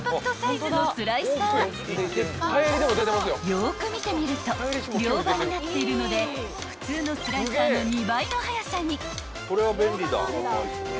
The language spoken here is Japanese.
［よく見てみると両刃になっているので普通のスライサーの２倍の速さに］